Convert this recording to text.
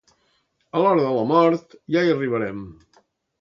A l'hora de la mort ja hi arribarem.